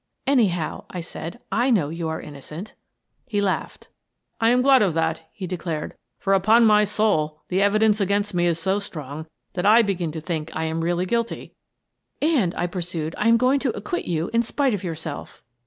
" Anyhow," I said, " I know you are innocent." He laughed. 1 62 Miss Frances Baird, Detective " I am glad of that," he declared, " for, upon my soul, the evidence against me is so strong that I begin to think I am really guilty." " And/' I pursued, " I am going to acquit you in spite of yourself."